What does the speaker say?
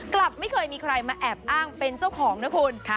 กลับไม่เคยมีใครมาแอบอ้างเป็นเจ้าของนะคุณ